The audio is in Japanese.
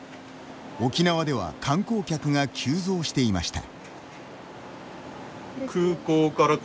沖縄では観光客が急増していました。